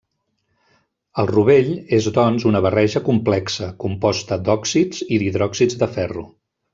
El rovell és doncs una barreja complexa, composta d'òxids i d'hidròxids de ferro.